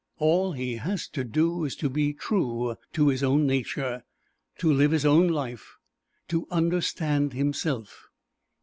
All he has to do is to be true to his own nature, to live his own life, to understand himself.